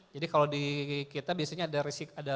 jadi kalau di kita biasanya ada